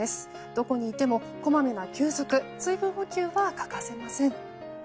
どこにいても、こまめな休息水分補給は欠かせません。